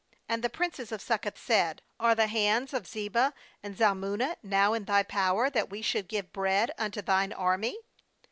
6And the princes of Succoth said: 'Are the hands of Zebah and Zalmunna now hi thy power, that we should give bread unto thine army?'